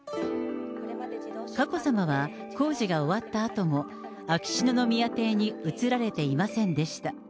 佳子さまは工事が終わったあとも、秋篠宮邸に移られていませんでした。